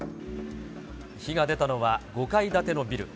火が出たのは５階建てのビル。